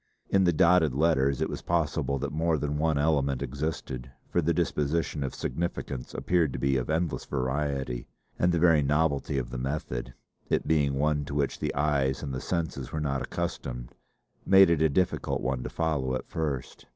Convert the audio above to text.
In the dotted letters it was possible that more than one element existed, for the disposition of significants appeared to be of endless variety, and the very novelty of the method it being one to which the eyes and the senses were not accustomed made it a difficult one to follow at first.